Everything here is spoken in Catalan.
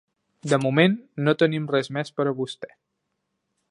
De moment, no tenim res més per a vostè.